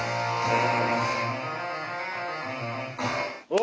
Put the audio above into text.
お！